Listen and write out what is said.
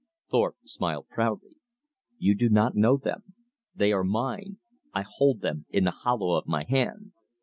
Thorpe smiled proudly. "You do not know them. They are mine. I hold them in the hollow of my hand!"